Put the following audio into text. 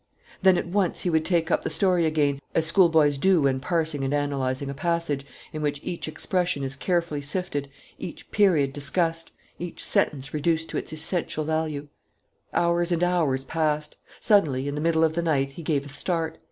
Then at once he would take up the story again, as schoolboys do when parsing and analyzing a passage, in which each expression is carefully sifted, each period discussed, each sentence reduced to its essential value. Hours and hours passed. Suddenly, in the middle of the night, he gave a start.